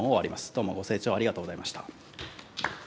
どうも、ご清聴ありがとうございました。